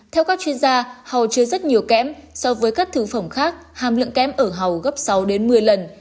theo các chuyên gia hàu chứa rất nhiều kém so với các thư phẩm khác hàm lượng kém ở hàu gấp sáu một mươi lần